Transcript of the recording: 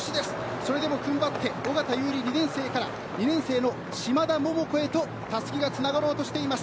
それでも踏ん張って尾方唯莉２年生から２年生の嶋田桃子へとたすきがつながろうとしています。